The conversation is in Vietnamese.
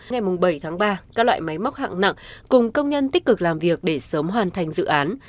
ngày bảy tháng ba các loại máy móc hạng nặng cùng công nhân tích cực làm việc để sớm hoàn thành dự án